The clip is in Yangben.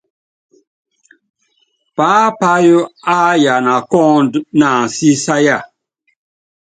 Paápayɔ́ áyana kɔ́ ɔɔ́nd na ansísáya.